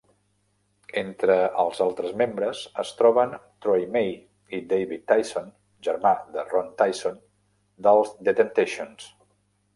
Entre els altres membres, es troben Troy May i David Tyson, germà de Ron Tyson, dels The Temptations.